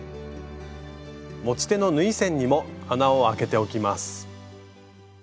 持ち手の縫い線にも穴をあけておきます。